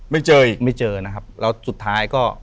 ไม่เจออีกไม่เจอนะครับแล้วสุดท้ายก็